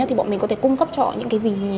thì bọn mình có thể cung cấp cho họ những cái gì